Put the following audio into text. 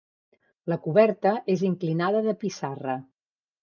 La coberta és inclinada de pissarra.